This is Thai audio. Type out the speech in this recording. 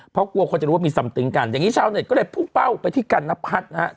เพราะกลัวคนจะรู้ว่ามีซ้ำตึงกันอย่างนี้ชาวเน็ตก็เลยพุ่งเป้าไปที่กันนพัฒน์นะครับ